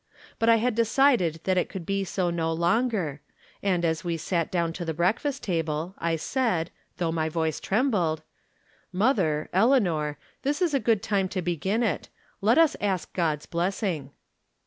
But I had decided that it could be so no longer, and, as we sat down to the breakfast table, I said, though my voice trembled :" Mother, Eleanor, this is a good time to begin it ; let us ask God's blessing."